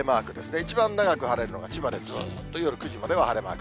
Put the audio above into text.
一番長く晴れるのが千葉で、ずっと夜９時までは晴れマーク。